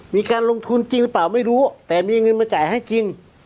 มีการลงทุนจริงหรือเปล่าไม่รู้แต่มีเงินมาจ่ายให้จริง